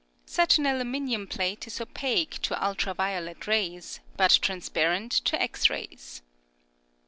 Such an aluminium plate is opaquG to ultra violet rays, but transparent to X rays.